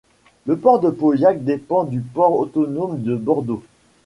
Le port de Pauillac dépend du port autonome de Bordeaux.